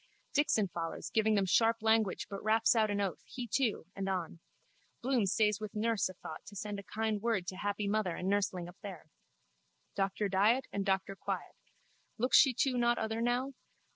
Dixon follows giving them sharp language but raps out an oath, he too, and on. Bloom stays with nurse a thought to send a kind word to happy mother and nurseling up there. Doctor Diet and Doctor Quiet. Looks she too not other now?